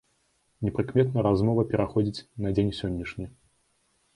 Непрыкметна размова пераходзіць на дзень сённяшні.